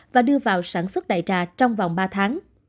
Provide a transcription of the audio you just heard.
và đưa vào sản xuất đại trà trong vòng ba tháng